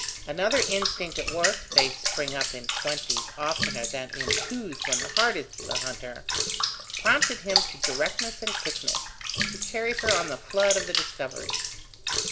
Another instinct at work (they spring up in twenties oftener than in twos when the heart is the hunter) prompted him to directness and quickness, to carry her on the flood of the discovery.